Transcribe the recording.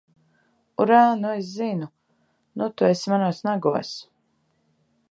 Urā! Nu es zinu! Nu tu esi manos nagos!